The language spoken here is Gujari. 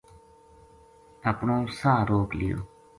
اپنو ساہ روک لیو